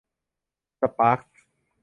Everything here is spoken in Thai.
สปาร์คส์